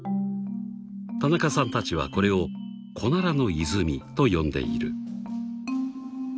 ［田中さんたちはこれをコナラの泉と呼んでいる］